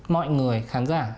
mọi người khán giả